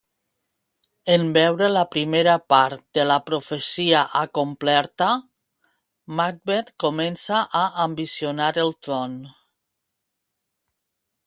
En veure la primera part de la profecia acomplerta, Macbeth comença a ambicionar el tron.